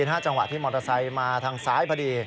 จังหวะที่มอเตอร์ไซค์มาทางซ้ายพอดี